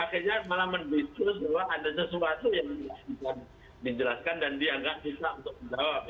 akhirnya malah mendiskur bahwa ada sesuatu yang tidak bisa dijelaskan dan dianggap bisa untuk menjawab